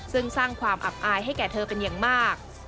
ซึ่งสร้างความอับอายให้แก่เธอเป็นอย่างมาก